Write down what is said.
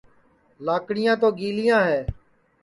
لاکڑیاں تو گیلیاں ہے